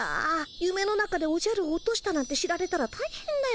ゆめの中でおじゃるを落としたなんて知られたらたいへんだよ。